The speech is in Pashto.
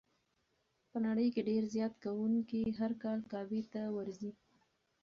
په نړۍ کې ډېر زیارت کوونکي هر کال کعبې ته ورځي.